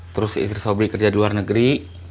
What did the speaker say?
terus istri sobri kerja di luar negeri